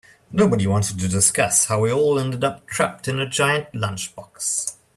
Nobody wanted to discuss how we all ended up trapped in a giant lunchbox.